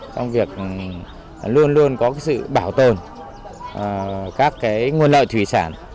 trong việc luôn luôn có sự bảo tồn các nguồn lợi thủy sản